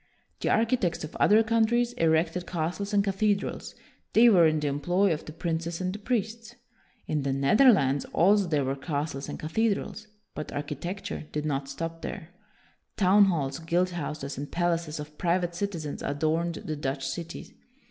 The architects of other countries erected castles and cathedrals; they were in the employ of the princes and the priests. In the Netherlands also there were castles and cathedrals, but architecture did not stop there. Town halls, guild houses, and palaces of private citizens adorned the Dutch cities.